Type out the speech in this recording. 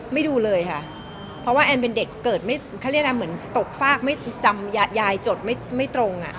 ดูเลยค่ะเพราะว่าแอนเป็นเด็กเกิดไม่เขาเรียกอะไรเหมือนตกฟากไม่จำยายจดไม่ตรงอ่ะ